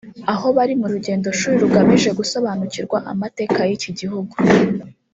aho bari mu rugendoshuri rugamije gusobanukirwa amateka y’iki gihugu